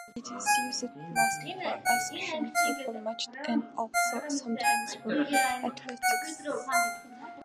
It is used mostly for association football matches and also sometimes for athletics.